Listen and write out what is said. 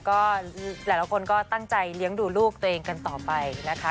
ก็หลายคนก็ตั้งใจเลี้ยงดูลูกตัวเองกันต่อไปนะคะ